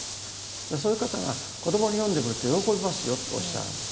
そういう方が子どもに読んでみると喜びますよとおっしゃるんです。